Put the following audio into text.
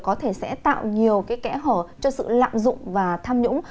có thể sẽ tạo nhiều cái kẽ hở cho sự lạm dụng và tham nhũng